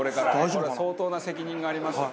これは相当な責任があります。